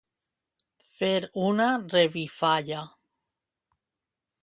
Fer una revifalla.